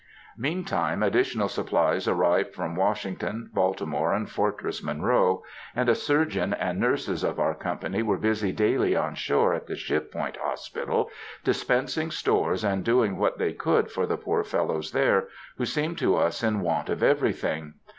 Meantime additional supplies arrived from Washington, Baltimore, and Fortress Monroe, and a surgeon and nurses of our company were busy daily on shore at the Ship Point Hospital, dispensing stores, and doing what they could for the poor fellows there, who seemed to us in want of everything....